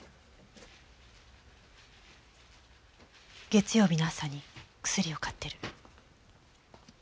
月曜日の朝に薬を買ってる。